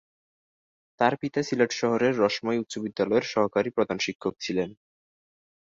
তার পিতা সিলেট শহরের রসময় উচ্চ বিদ্যালয়ের সহকারী প্রধান শিক্ষক ছিলেন।